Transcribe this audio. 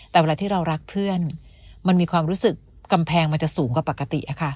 แต่เวลาที่เรารักเพื่อนมันมีความรู้สึกกำแพงมันจะสูงกว่าปกติ